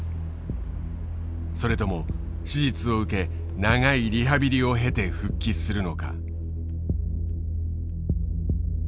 それとも手術を受け長いリハビリを経て復帰するのか。